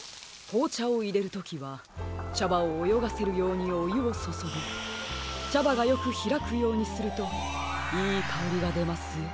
こうちゃをいれるときはちゃばをおよがせるようにおゆをそそぎちゃばがよくひらくようにするといいかおりがでますよ。